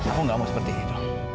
aku gak mau seperti ini dok